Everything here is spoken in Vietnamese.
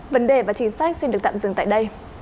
vấn đề và chính sách xin được tạm dừng tại đây